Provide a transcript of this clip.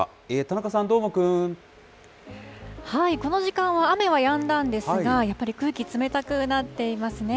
この時間は雨はやんだんですが、やっぱり空気、冷たくなっていますね。